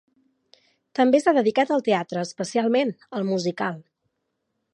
També s'ha dedicat al teatre, especialment al musical.